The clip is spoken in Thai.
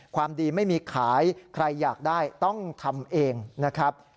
ความดีไม่มีขายใครอยากได้ต้องทำเองนะครับ